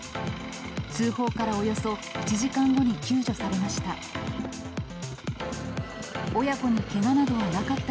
通報からおよそ１時間後に救助されました。